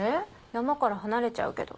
山から離れちゃうけど。